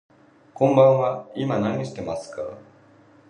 こんばんは、今何してますか。